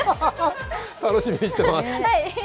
楽しみにしてます。